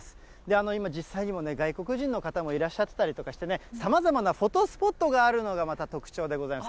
今、実際にもね、外国人の方もいらっしゃってたりとかしてね、さまざまなフォトスポットがあるのがまた特徴でございます。